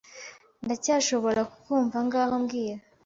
Ndacyashobora kukumva ngaho mbwira